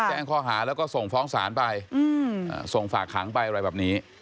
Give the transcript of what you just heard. แจ้งข้อหาแล้วก็ส่งฟ้องศาลไปส่งฝากขังไปอะไรแบบนี้